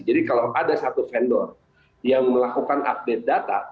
jadi kalau ada satu vendor yang melakukan update data